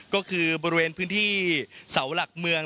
ก็คือบริเวณพื้นที่เสาหลักเมือง